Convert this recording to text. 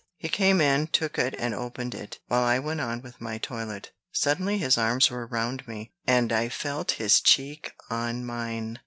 He came in, took it, and opened it, while I went on with my toilet. Suddenly his arms were round me, and I felt his cheek on mine.